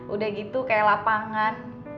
udah gitu kayak lapangan